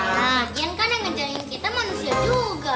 nah dia kan yang ngejariin kita manusia juga